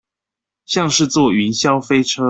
像是坐雲霄飛車